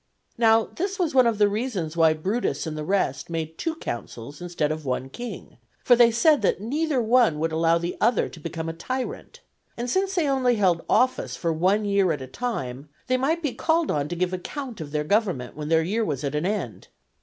Now this was one of the reasons why Brutus and the rest made two consuls instead of one king: for they said that neither one would allow the other to become tyrant; and since they only held office for one year at a time, they might be called on to give account of their government when their year was at an end.